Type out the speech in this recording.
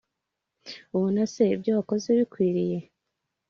ubona se ibyo wakoze bikwiriye